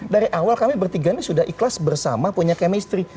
dari awal kami bertiga ini sudah ikhlas bersama punya chemistry